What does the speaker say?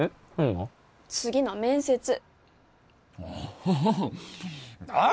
次の面接